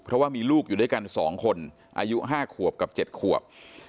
เพราะว่ามีลูกอยู่ด้วยกันสองคนอายุห้าขวบกับเจ็ดขวบ